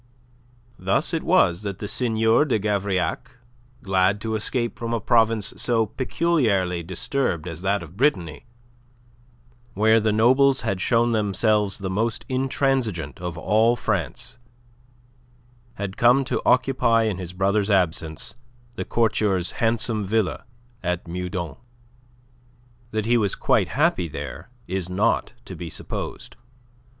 Thus it was that the Seigneur de Gavrillac, glad to escape from a province so peculiarly disturbed as that of Brittany where the nobles had shown themselves the most intransigent of all France had come to occupy in his brother's absence the courtier's handsome villa at Meudon. That he was quite happy there is not to be supposed.